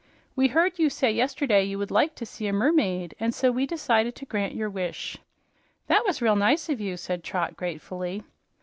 "We heard you say yesterday you would like to see a mermaid, and so we decided to grant your wish." "That was real nice of you," said Trot gratefully.